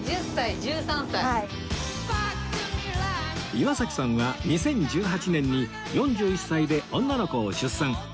岩崎さんは２０１８年に４１歳で女の子を出産